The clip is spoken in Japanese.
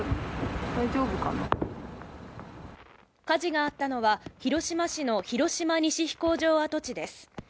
火事があったのは広島市の広島西飛行場跡地です。